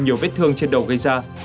nhiều vết thương trên đầu gây ra